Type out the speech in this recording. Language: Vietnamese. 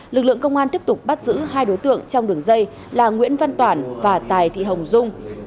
lực lượng công an tiếp tục bắt giữ hai đối tượng trong đường dây là nguyễn văn toản và tài thị hồng dung